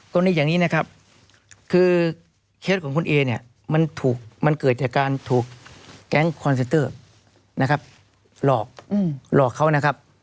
อย่างนี้นะครับคือเคสของคุณเอเนี่ยมันเกิดจากการถูกแก๊งคอนเซนเตอร์นะครับหลอกหลอกเขานะครับ